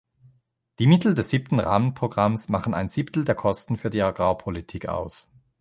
Die Mittel des Siebten Rahmenprogramms machen ein Siebtel der Kosten für die Agrarpolitik aus.